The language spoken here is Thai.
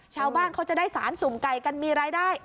ชาวบ้านเขาจะได้สารสุ่มไก่กันมีรายได้